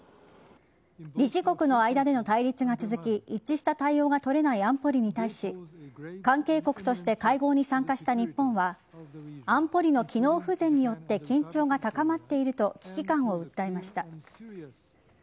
理事国の間での対立が続き一致した対応が取れない安保理に対し関係国として会合に参加した日本は安保理の機能不全によって緊張が高まっていると危機感を訴えました。